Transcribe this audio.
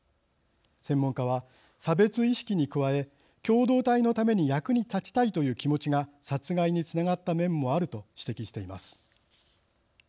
専門家は差別意識に加え共同体のために役に立ちたいという気持ちが殺害につながった面もあると指摘しています。